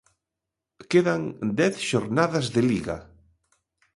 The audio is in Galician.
Quedan dez xornadas de Liga.